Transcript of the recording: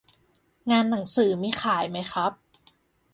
งานหนังสือมีขายไหมครับ